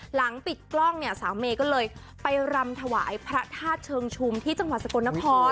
หลังปิดกล้องเนี่ยสาวเมย์ก็เลยไปรำถวายพระธาตุเชิงชุมที่จังหวัดสกลนคร